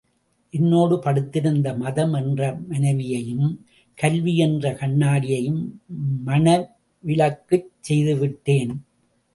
என்னோடு படுத்திருந்த மதம் என்ற மனைவியையும், கல்வி என்ற கண்ணாட்டியையும் மணவிலக்குச் செய்துவிட்டேன்.